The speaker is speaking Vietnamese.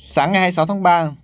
sáng ngày hai mươi sáu tháng ba